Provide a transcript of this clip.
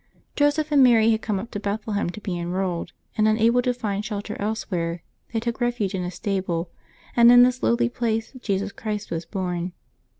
Joseph and Mary had come up to Bethlehem to be enrolled, and, unable to find shelter elsewhere, they took refuge in a stable, and in this lowly place Jesus Christ was born.